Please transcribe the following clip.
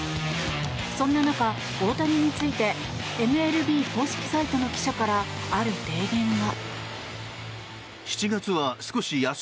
そんな中、大谷についてＭＬＢ公式サイトの記者からある提言が。